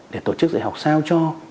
để tổ chức dạy học sao cho